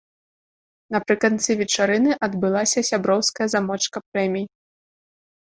Напрыканцы вечарыны адбылася сяброўская замочка прэмій.